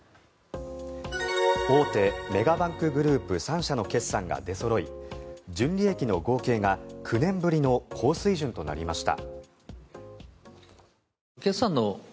大手メガバンクグループ３社の決算が出そろい純利益の合計が９年ぶりの高水準となりました。